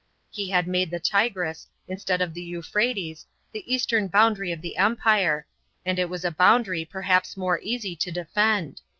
He had made the Tigris, in>tead of the Euphrates, the eastern boundary of the Emi ire, ai.d it was a boun 'ary peihaps mote easy to detend.